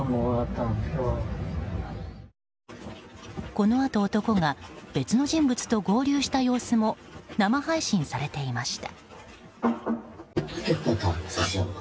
このあと、男が別の人物と合流した様子も生配信されていました。